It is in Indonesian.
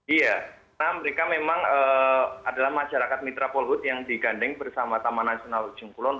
iya karena mereka memang adalah masyarakat mitra polhut yang digandeng bersama taman nasional ujung kulon